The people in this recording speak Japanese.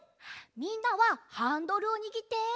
みんなはハンドルをにぎって。